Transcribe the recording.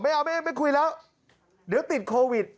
ไม่คุยแล้วเดี๋ยวติดโควิด